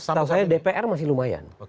setahu saya dpr masih lumayan